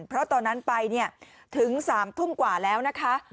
เพราะตอนนั้นไปถึง๓ทุ่มกว่าแล้วนะคะ